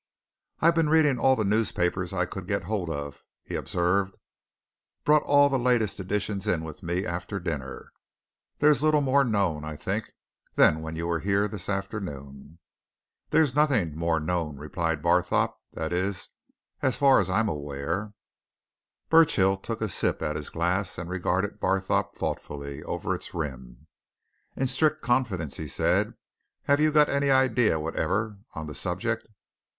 "I've been reading all the newspapers I could get hold of," he observed. "Brought all the latest editions in with me after dinner. There's little more known, I think, than when you were here this afternoon." "There's nothing more known," replied Barthorpe. "That is as far as I'm aware." Burchill took a sip at his glass and regarded Barthorpe thoughtfully over its rim. "In strict confidence," he said, "have you got any idea whatever on the subject?"